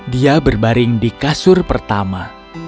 dia berbaring di kasur pertama